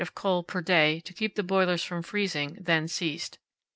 of coal per day to keep the boilers from freezing then ceased.